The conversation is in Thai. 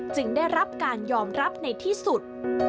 ได้รับการยอมรับในที่สุด